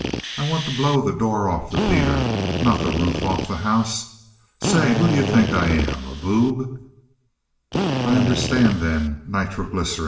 I want to blow the door off the peter, not the roof off the house. Say, who d'you think I am, a boob?" "I understand, then. Nitroglycerin?